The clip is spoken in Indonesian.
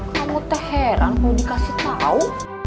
kamu terheran mau dikasih tahu